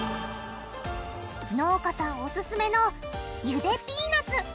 農家さんオススメのゆでピーナツ。